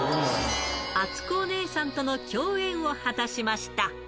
あつこお姉さんとの共演を果たしました。